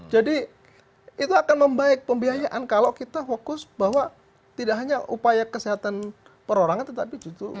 jadi itu akan membaik pembiayaan kalau kita fokus bahwa tidak hanya upaya kesehatan perorangan tetap di situ